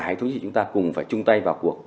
hệ thống chính trị chúng ta cùng phải chung tay vào cuộc